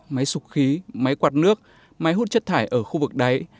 máy sục khí máy quạt nước máy hút chất thải ở khu vực đáy